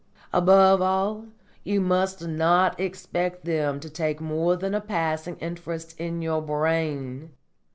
Above all, you must not expect them to take more than a passing interest in your brain.